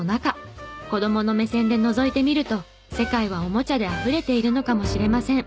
子どもの目線でのぞいてみると世界はおもちゃであふれているのかもしれません。